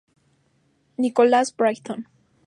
Nicholas, Brighton.